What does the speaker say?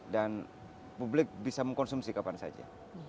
dan publik bisa mengkonsumsi kapan saja